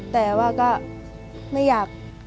แต่ว่าก็ไม่อยาก